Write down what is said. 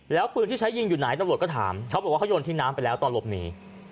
แล้วปืนที่ใช้ยิงอยู่ไหนตำรวจก็ถามเขาบอกว่าเขาโยนทิ้งน้ำไปแล้วตอนหลบหนี